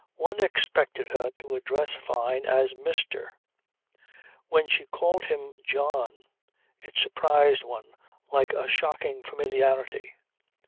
One expected her to address Fyne as Mr. When she called him John it surprised one like a shocking familiarity.